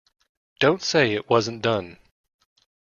Don't say it wasn't done!